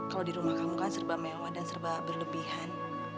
kalau di rumah kamu kan serba mewah dan serba berlebihan